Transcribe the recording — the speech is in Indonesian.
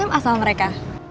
aku asal mereka